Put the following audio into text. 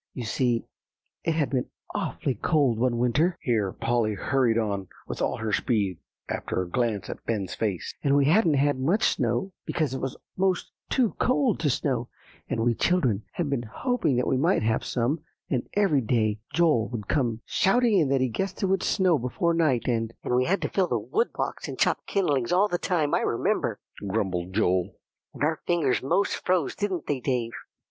You see, it had been awfully cold one winter," here Polly hurried on with all her speed, after a glance at Ben's face, "and we hadn't had much snow, because it was 'most too cold to snow, and we children had been hoping that we might have some; and every day Joel would come shouting in that he guessed it would snow before night, and" "And we had to fill the wood box and chop kindlings all the time, I remember," grumbled Joel; "and our fingers most froze, didn't they, Dave."